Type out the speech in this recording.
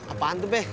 apaan tuh be